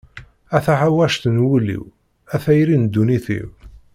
A taḥawact n wul-iw, a tayri n dunnit-iw.